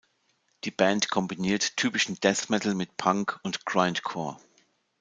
Die Band kombiniert typischen Death Metal mit Punk und Grindcore.